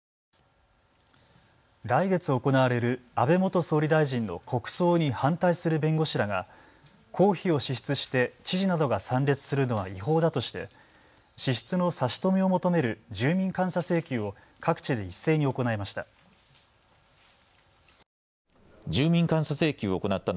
来月、行われる安倍元総理大臣の国葬に反対する弁護士らが公費を支出して知事などが参列するのは違法だとして支出の差し止めを求める住民監査請求を各地で一斉に行いました。